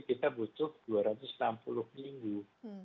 kita butuh dua ratus enam puluh minggu